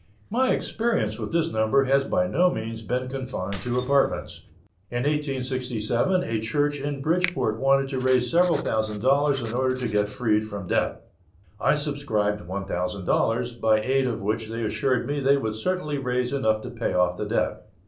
My experience with this number has by no means been confined to apartments. In 1867 a church in Bridgeport wanted to raise several thousand dollars in order to get freed from debt. I subscribed one thousand dollars, by aid of which they assured me they would certainly raise enough to pay off the debt.